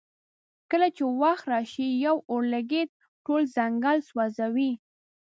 کله چې وخت راشي یو اورلګیت ټول ځنګل سوځوي.